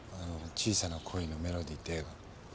『小さな恋のメロディ』って映画。